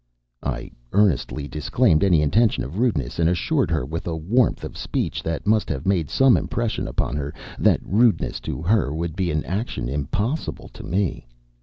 I earnestly disclaimed any intention of rudeness, and assured her, with a warmth of speech that must have made some impression upon her, that rudeness to her would be an action impossible to me.